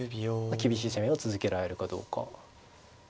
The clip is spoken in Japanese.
厳しい攻めを続けられるかどうか。